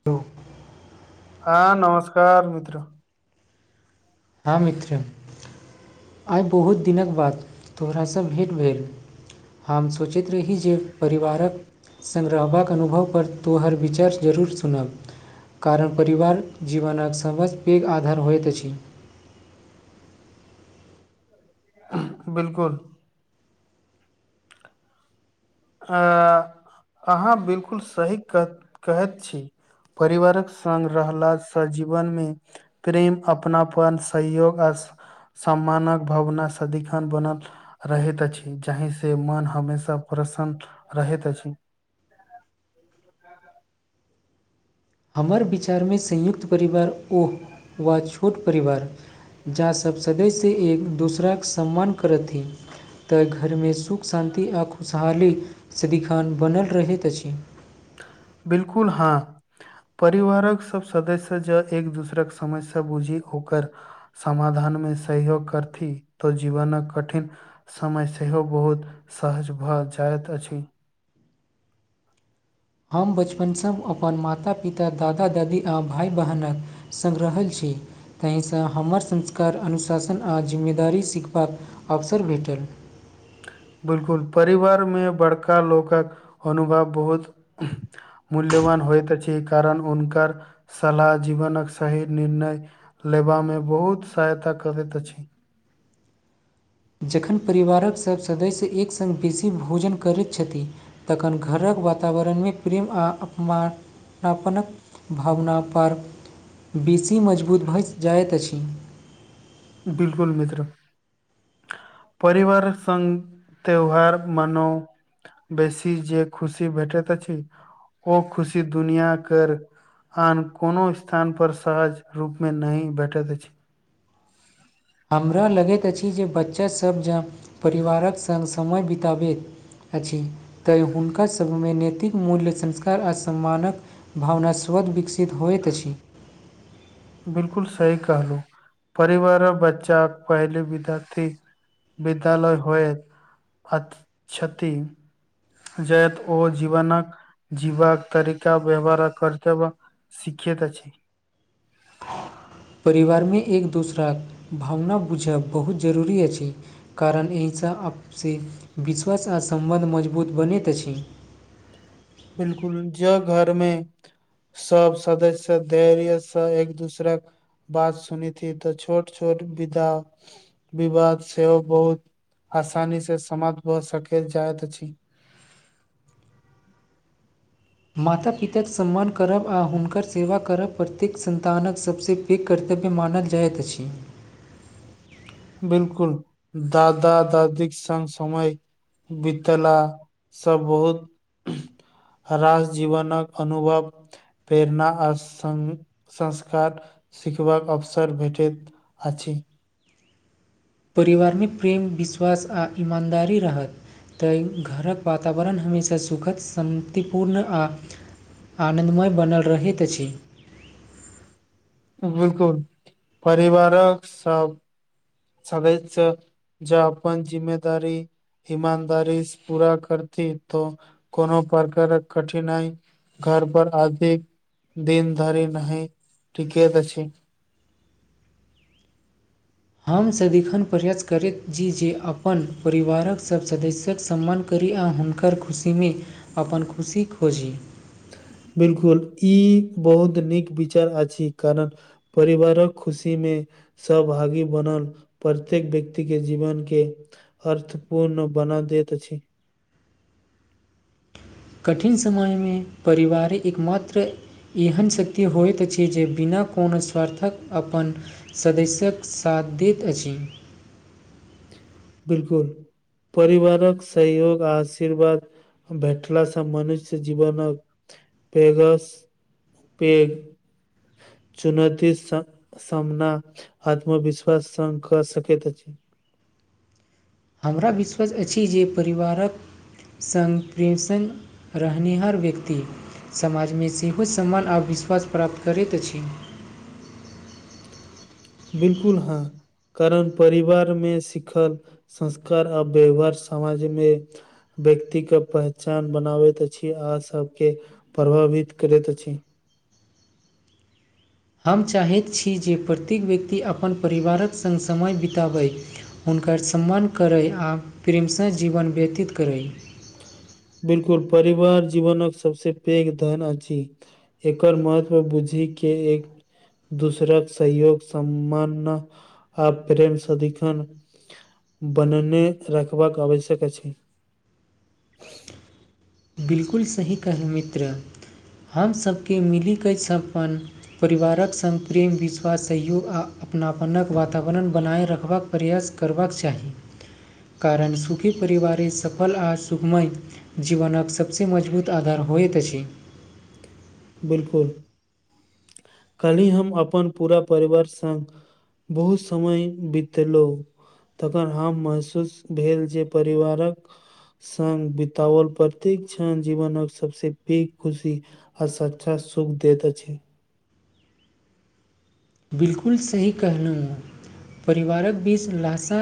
[unintelligible] हँ नमस्कार मित्र हँ मित्र आइ बहुत दिनक बाद तोरा सँ भेंट भेल हम सोचैत रही जे परिवारक संग रहबाक अनुभव पर तोहर विचार जरूर सुनब कारण परिवार जीवनक समझ पैघ आधार होइत अछि [inaudible] बिल्कुल अहाँ बिल्कुल सही कह-कहैत छी परिबारक संग रहला सऽ जीवन मे प्रेम अपनापन सहयोग आ सम्मानक भावना सदिखन बनल रहैत अछि जाहिसँ मन हमेशा प्रसन्न रहैत अछि [inaudible] हमर विचारमे संयुक्त परिवार ओह वा छोट परिवार जाँ सभ सदैसँ एक दोसरा कऽ सम्मान करथिन तऽ घरमे सुख शान्ति आ खुशहाली सिदिखान बनल रहैत अछि बिल्कुल हँ परिवारक सभ सदस्य जँ एक दोसराक समस्या बुझी ओकर समाधान मे सहयोग करथि तऽ जीवन कठिन समय सेहो बहुत सहज भऽ जाइत अछि हम बचपनसँ अपन माता पिता दादा दादी आ भाय बहिन कऽ संग रहल छी ताहिसँ हमर संस्कार अनुशासन आ जिम्मेदारी सिखबाक अवसर भेटल बिल्कुल परिवार मे बड़का लोक कऽ अनुभव बहुत मूल्यवान होइत अछि कारण हुनकर सलाह जीवनक सही निर्णय लेबामे बहुत सहायता करैत अछि जखन परिवारक सभ सदस्य एक संग बेसी भोजन करैत छथि तखन घर कऽ वातावरणमे प्रेम आ अपमान आपनक भावनापर बेसी मजबूत भऽ जाइत अछि बिल्कूल मित्र परिवार से त्यौहार मान बेसी जे खुशी भेटैत अछि ओ खुशी दुनिया कऽ आन कोनो स्थान पर सहज रूप मे नहि भेटैत अछि हमरा लगैत अछि जे बच्चासभ जँ परिवारक संग समय बितबैत अछि तै हुनका सभमे नैतिक मूल्य संस्कार आ सम्मानक भावना स्रोत विकसित होइत अछि। बिल्कूल सही कहलू परिवार आ बच्चा पहल विदाथी विद्यालय होएत अच्छा जत ओ जीवनक कऽ जीवाक तरीका व्यवहार करतव। शीखैत अछि छी। परिवार मे एक दोसराक भावना बुझब बहुत जरूरी अछि कारण एहिसँ आपस विश्वास आ सम्बन्ध मजबूत बनैत अछि। बिल्कूल ज घर मे सभ सदस्य धैर्यसँ एक दोसराक बात सुनीथी त छोट छोट विधा विवाद सेहो बहुत आसानी से समाप्त भऽ सक जाइत अछि माता पिता के सम्मान करब आ हुनकर सेवा करब पड़त सन्तान कऽ सभसँ पैघ कर्तव्य मानल जाइत अछि बिल्कूल दादा दादी कऽ समय बतला सभ बहुत रास जीवन कऽ अनुभव प्रेरणा आ संस्कार शिखबा कऽ अवसर भेटैत अछि छी परिवारमे प्रेम विश्वास आ ईमानदारी रहत। तऽ घर के वातावरण हमेशा सुखद शान्तिपूर्ण आ आनन्दमय बनल रहैत अछि। बिल्कूल परिवारक सभ सगे ज अपन अपन जिम्ममेदारी ईमानदारी पूरा करती तऽ कोनो प्रकार कऽ कठिनाइ। घर पर अधी दन धरि नहि केत छै हम सदिखन प्रयास करैत छी जे अपन परिवार कऽ सभ सदस्य सम्मान करी हुनकर खुशीमे अपन खुशी खोजी बिल्कूल ई बहुत नीक विचार अछि कारण परिवार कऽ खुशी मे सभ आगे बनल प्रत्येक व्यक्ति के जीवन के अर्थ पूर्ण बना दैत अछि। कठिन समय मे परिवारि कऽ एकमात्र एहन शक्ति होइत अछि जे बिना कोनो स्वार्थ कऽ अपन सदस्य्य कऽ साथ दैत अछि। बिल्कूल परिवार कऽ सहयोग आशीर्वाद भेटला से मनुष्य जीवन कऽ पघस पेग चुनौती। सामना आत्मविश्वास संग कऽ सकैत अछि। हमरा विश्वास अछि जे परिवारक सपमसन रहनिहार व्यक्ति समाजमे सेहो सम्मान आ विश्वास प्राप्त करैत अछि। बिल्कुल हँ कारण परिवार मे सिखल संस्कार आ व्यवहार समाज मे व्यक्ति के पहचान बनाबैत अछि आ सबके प्रभावित करैत अछि। हम चाहैत छी जे प्रत्येक व्यक्ति अपन परिवारक संग समय बिताबै। हुनकर सम्मान करय आ प्रेमसँ जीवन व्यतीत करय बिल्कुल परिवार जीवनक सबस पैघ धन अछि। एकर महत्व बूझीके एक दूसराक सहयोग सम्मान आ प्रेम सदिखन बनने रखबाक आवश्यक अछि। बिल्कुल सही कहल मित्र हमसभके मिलिकऽ सभ्पन परिवारक सङप्रेम विश्वास सहयोग आओर अपनापनक वातावरण बनाए रखबाक प्रयास करबाक चाही। कारण सुखी परिवारे सफल आ सुखमय जीवनक सभसँ मजबूत आधार होइत अछि। बिल्कुल कल्हि हम अपन पूरा परिवार संग बहुत समय बितेलौं तखन हम महसूस भेल जे परिवारक संग बितओल प्रतेक्षण जीवनक सबस पैघ खुशी आ सच्छा सुख दैत अछि। बिलकुल सही कहलहुँँ परिवारक बीच लशा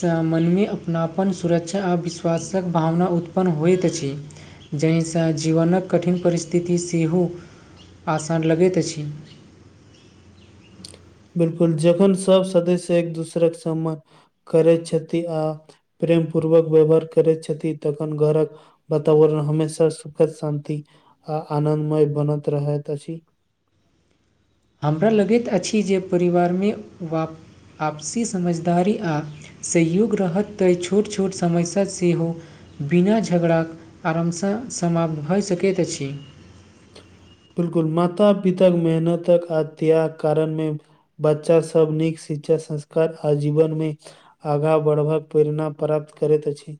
सामनमे अपनापन सुरक्षा आ विश्वासक भावना उत्पन्न होइत अछि। जाहिसँ जीवनक कठिन परिस्थिति सेहो आसान लगैत अछि। बिल्कुल जखन सभ सदस्य एक दोसरक सम्मान करैत छथि आ प्रेम पूर्वक व्यवहार करैत छथि तखन घरक वातावरण हमेशा सुखद शान्ति आ आनन्दमय बनत रहैत अछि। हमरा लगैत अछि जे परिवारमे व आपसी समझदारी आ सयोग रहत तऽ छोट छोट समस्या सेहो बिना झगड़ाके आरमसँ समाप्त भऽ सकैत अछि। बिलकुल माता पिता के मेहनतक आ त्याग कारण मे बच्चा सब नीक शिक्षा संस्कार आ जीवनमे आगाँ बढ़बक प्रेरणा प्राप्त करैत अछि।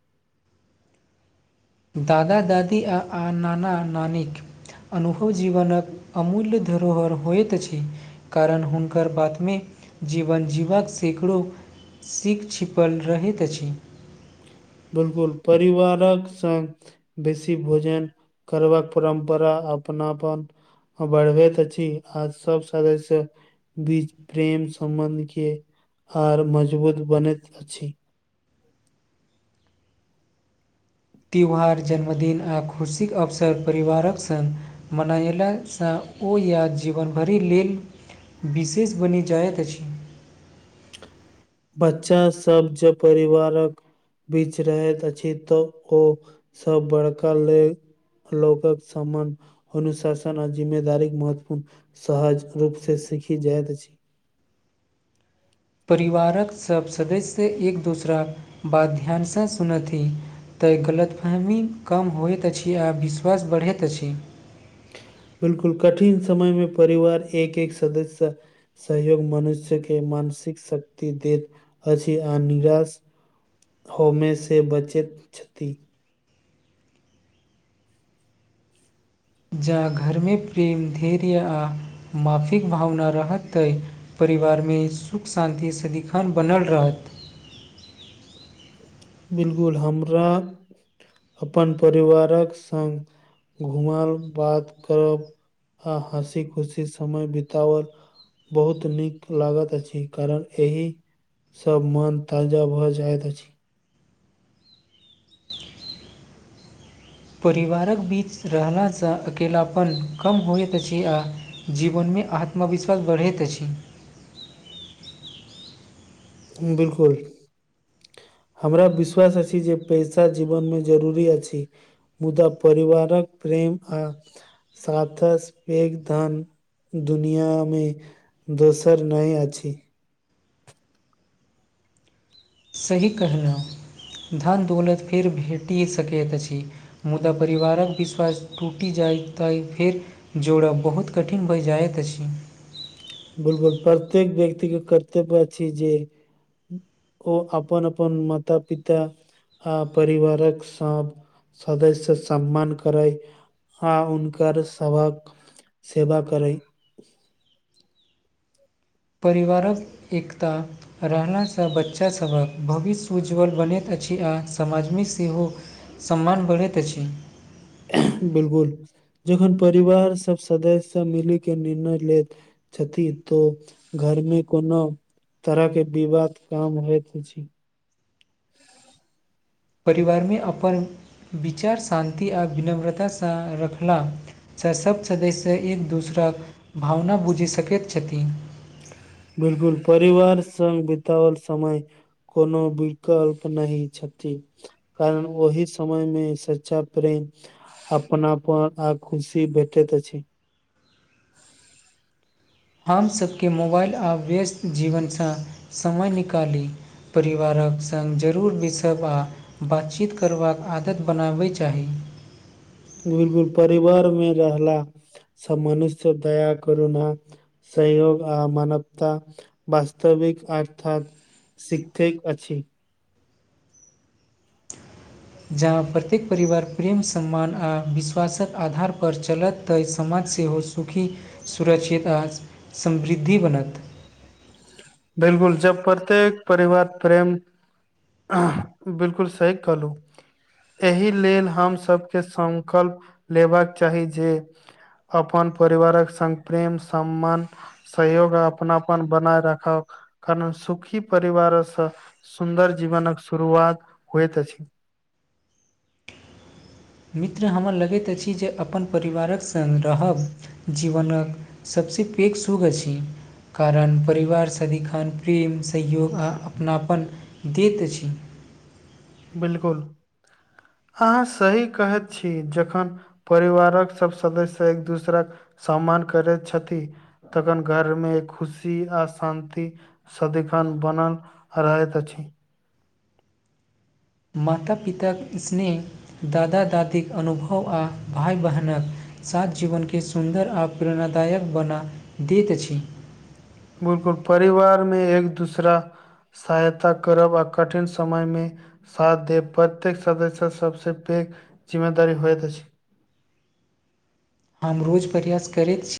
दादा दादी आ आ नाना नानिक अनुभव जीवनक अमूल्य धरोहर होइत अछि। कारण हुनकर बातमे जीवन जीवाक सैकड़ो सीख छिपल रहैत अछि। बिल्कुल परिवारक सङ्ग देसी भोजन करबाक परम्परा अपनापन बढ़बेत अछि आ सब सदस्य बीच प्रेम सम्बन्ध के आर मजबूत बनैत अछि। त्यौहार जन्मदिन आ खुशीक अवसर परिवारक सङ्ग मनयलासँ ओ या जीवनभरि लेल विशेष बनि जाइत अछि। बच्चा सभ जे परिवारक। बीच रहैत अछि तऽ ओ सभ बड़का ले। लौगक सम्मान अनुशासन आ जिम्मेदारी महत्वपूर्ण। सहज रूपसँ सीखी जाइत अछि। परिवारक सभ सदस्य एक दोसरााक बात ध्यानसँ सुनथि। तऽ गलतफहमी कम होइत अछि आ विश्वास बढ़ैत अछि। बिल्कूल कठिन समय मे परिवार एक एक सदस्य सहयोग मनुष्य के मानसिक शक्ति देत अछि आ निराश होमे से बचैत छथि जा घर मे प्रेम धैर्य आ माफीक भावना रहतै परिवार मे सुख शान्ति सदिखन बनल रहत। बिल्कूल हमरा अपन परिवार कऽ संग घुम बात करब हँसी खुशी समय बीतावल बहुत नीक लागत अछि कारण एहि। सभ मन ताजा भऽ जाइत अछि परिवारक बीच रहलासँ अकेलपन कम होइत अछि अ जीवन मे आत्मविश्वास बढ़ैत अछि। बिल्कूल। हमरा विश्वास अछि जे पैसा जीवन मे जरूरी अछि। मुदा परिवार कऽ प्रेम सातस पेघ धन दुनिया म दोसर नहि अछि। सही कहनाहुँ धान दौलत फेर भेटि सकैत अछि। मुदा परिवार कऽ विश्वास टूटी जाइ तइ फेर जोड़ब बहुत कठिन भऽ जाइत अछि। बिल्कूल प्रत्येक व्यक्ति के कर्तव्य अछि जे ओ अपन अपन माता पिता आ परिवार कऽ सा सदस्य सम्मान करै आ हनकर सभ कऽ सेवा करे परिवार कऽ एकता रहलासँ बच्चा सभकऽ भविष्य उज्ज्वल बनैत अछि आ समाजमे सेहो सम्मान बढ़ैत अछि। बिल्कूल जखन परिवार सभ सदस्य सभ मिली के निर्णय लेत छथि तो घर मे कोनो तरह के विवाद काम होइत छै। परिवार मे अपन विचार शान्ति आ विनम्रतासँ रखला हैं सभ सदस्य एक दूसराक भावना बुझि सकैत छथिन बिल्कूल परिवार संग बितवल समय कोनो विकल्प नहि छथि। कारण ओहि समयमे सच्चा प्रेम अपना पान आ खुशी भेटैत अछि हम सभके मोबाइल आ व्यस्त जीवनसँ समय निकाली परिवार कऽ संग जरूर भस आ बातचीत करबा कऽ आदत बनाबय चाही बिल्कूल परिवार मे रहला सभ मनुष्य दया करु ने सहयोग आ मानवता वास्तविक अर्था। शीखै अछि जहा प्रत्येक परिवार प्रेम सम्मान आ विश्वासक आधार पर चलत तऽ समाज सेहो चूखि सुरक्षित आज समृद्धि बनत बिल्कूल जब प्रत्येक परिवार प्रेम बिल्कूल सही कहलू एहि लेल हमसभके सकल्प लेबाक चाही जे अपन परिवारक संग प्रेम सम्मान सहयोग अपनापन बनाय राखब कारण सुखी परवारसँ सुन्दर जीवन कऽ शुरुआत होइत अछि। मित्र हमरा लगैत अछि जे अपन परिवारक संग रहब। जीवन कऽ सभसँ पैघ सुोग अछि। कारण परिवार सदिखन प्रेम सहयोग आ अपनापन दैत अछि। बिल्कूल अहाँ सही कहैत छी जखन परिवार कऽ सभ सदस्य एक दोसरा कऽ सम्मान करैत छथि। तखन घर मे खुशी आ शान्ति सदिखन बनल रहैत अछि माता पिता कऽ स्नेह दादा दादी कऽ अनुभव आ भाय बहिन कऽ साथ जीवन के सुन्दर आ प्रेरणादाय कऽ बना दैत अछि। बिल्कूल परिवारमे एक दूसरा सहायता करब आ कठिन समय मे साथ देबे प्रत्येक सदस्यता सभसँ पैघ जिम्मेदारी होइत अछि। हम रोज प्रयास करैत छी